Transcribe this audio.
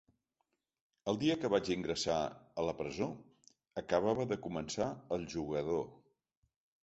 El dia que vaig ingressar a la presó acabava de començar El jugador.